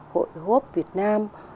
hội hô ấp việt nam